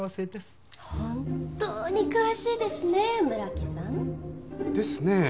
本当に詳しいですね村木さん。ですね。